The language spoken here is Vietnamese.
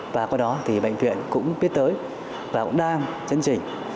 và qua đó bệnh viện cũng biết tới và cũng đang chân trình